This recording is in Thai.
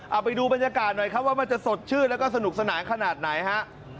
เอาไปดูบรรยากาศหน่อยครับว่ามันจะสดชื่นแล้วก็สนุกสนานขนาดไหนฮะ